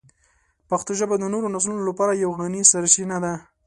پښتو ژبه د نوو نسلونو لپاره یوه غني سرچینه ده.